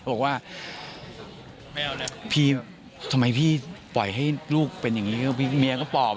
บอกว่าไม่เอาแล้วพี่ทำไมพี่ปล่อยให้ลูกเป็นอย่างงี้ก็พี่เมียก็ปลอบ